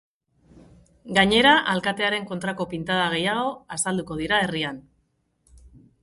Gainera, alkatearen kontrako pintada gehiago azalduko dira herrian.